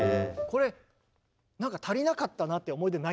これなんか足りなかったなって思い出ないんですよ。